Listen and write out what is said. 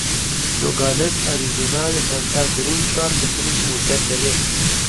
نوګالس اریزونا د سانتا کروز ښار په سیمه کې موقعیت لري.